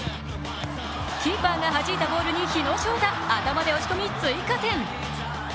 キーパーがはじいたボールに日野翔太、頭で押し込み、追加点。